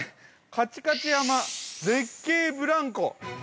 カチカチ山絶景ブランコ。